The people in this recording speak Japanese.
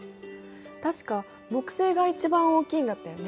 確か木星が一番大きいんだったよね？